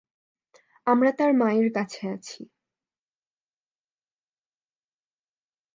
আমরা তার মায়ের কাছে আছি।